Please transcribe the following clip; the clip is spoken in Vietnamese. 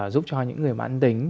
giúp cho những người mà ăn tính